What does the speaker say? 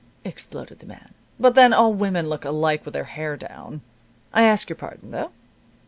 exploded the man. "But then, all women look alike with their hair down. I ask your pardon, though."